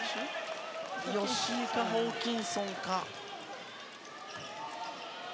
吉井か、ホーキンソンか。